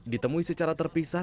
ditemui secara terpisah